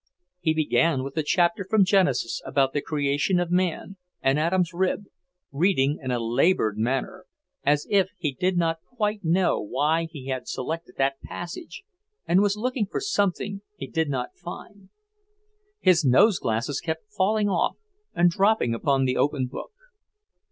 He began with the chapter from Genesis about the creation of man, and Adam's rib, reading in a laboured manner, as if he did not quite know why he had selected that passage and was looking for something he did not find. His nose glasses kept falling off and dropping upon the open book.